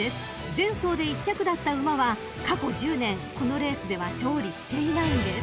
前走で１着だった馬は過去１０年このレースでは勝利していないんです］